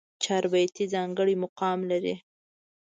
چاربېتې ځانګړی مقام لري.